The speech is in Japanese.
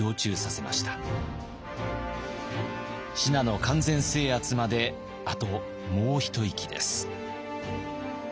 信濃完全制圧まであともう一息です。